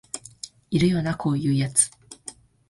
いるよなこういうやつ